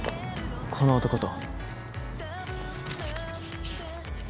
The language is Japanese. この男と。